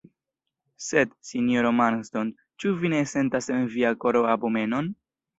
Sed, sinjoro Marston, ĉu vi ne sentas en via koro abomenon?